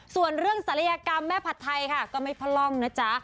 ส่วนเรื่องศัลยกรรมแม่ผัดไทยค่ะก็ไม่พร่องนะจ๊ะ